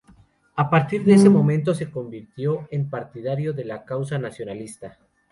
A partir de ese momento, se convirtió en partidario de la causa nacionalista.